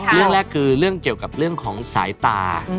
เรื่องแรกคือเรื่องเกี่ยวกับเรื่องของสายตา